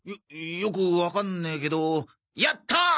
よくわかんねえけどやった！